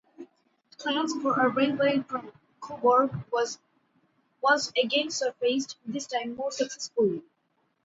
Plans for a railway from Cobourg once again surfaced, this time more successfully.